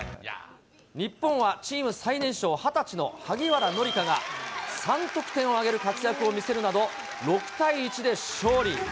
日本はチーム最年少、２０歳の萩原紀佳が３得点を挙げる活躍を見せるなど、６対１で勝利。